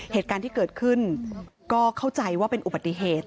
เหตุการณ์ที่เกิดขึ้นก็เข้าใจว่าเป็นอุบัติเหตุ